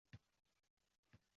Uning ko’zlariga quyar edi nur.